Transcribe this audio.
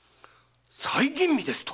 再吟味ですと？